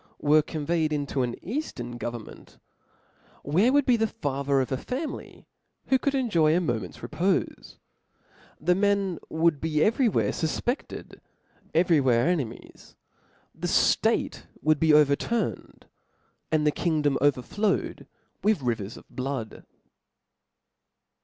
were conveyed into an eaftern government, wbcce would be t4ie father of a family who could tnjof a moment's repofe ? the men would be every where fufpefted, every whe^e enemies ; the ftate would be overturned, and <he jkingdpm overflowed witk rivers of blood.